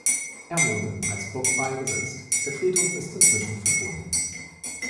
Er wurde in Pressburg beigesetzt, der Friedhof ist inzwischen verschwunden.